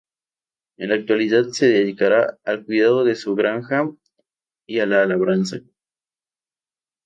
En la actualidad se dedicará al cuidado de su granja y a la labranza.